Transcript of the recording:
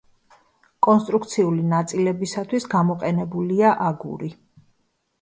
კონსტრუქციული ნაწილებისათვის გამოყენებულია აგური.